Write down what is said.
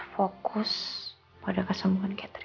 fokus pada kesembuhan catherine